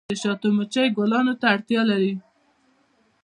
د شاتو مچۍ ګلانو ته اړتیا لري